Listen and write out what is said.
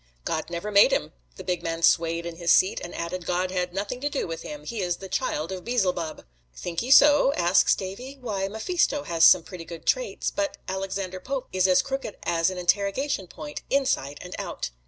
"God never made him." The big man swayed in his seat, and added, "God had nothing to do with him he is the child of Beelzebub." "Think 'ee so?" asks Davy. "Why, Mephisto has some pretty good traits; but Alexander Pope is as crooked as an interrogation point, inside and out."